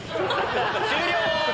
終了！